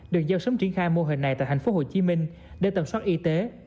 được giao sống triển khai mô hình này tại thành phố hồ chí minh để tầm soát y tế